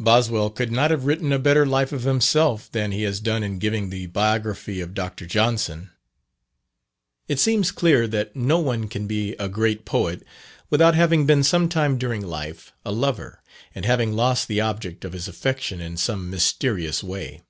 Boswell could not have written a better life of himself than he has done in giving the Biography of Dr. Johnson. It seems clear that no one can be a great poet without having been sometime during life a lover, and having lost the object of his affection in some mysterious way.